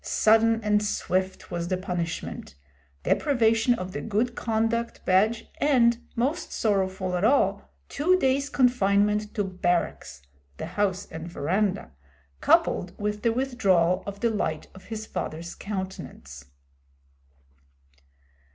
Sudden and swift was the punishment deprivation of the good conduct badge and, most sorrowful of all, two days' confinement to barracks the house and veranda coupled with the withdrawal of the light of his father's countenance.